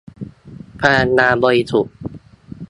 พลังงานบริสุทธิ์